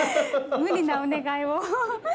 無理なお願いを。